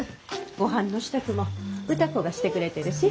ごはんの支度も歌子がしてくれてるし。